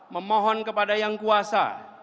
memohon kepada yang kuasa